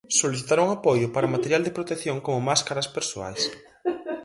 Solicitaron apoio para material de protección como máscaras persoais.